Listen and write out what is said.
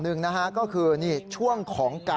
ไม่น่ารักเลยค่ะอย่าให้ต้องประจานนะคะ